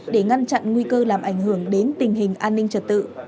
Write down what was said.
để ngăn chặn nguy cơ làm ảnh hưởng đến tình hình an ninh trật tự